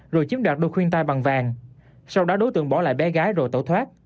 rồi chiếm đoạt đeo khuyên tai bằng vàng sau đó đối tượng bỏ lại bé gái rồi tẩu thoát